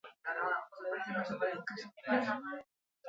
Funtzionario eroskeria eta eragimen-trafikoa egozten diote.